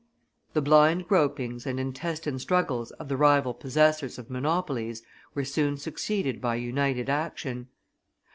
The blind gropings and intestine struggles of the rival possessors of monopolies were soon succeeded by united action.